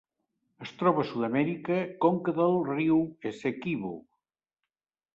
Es troba a Sud-amèrica: conca del riu Essequibo.